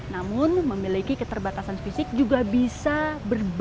namun memiliki keterbatasan fisik juga bisa berbagi ilmu